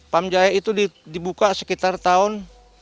pam jaya itu dibuka sekitar tahun delapan puluh delapan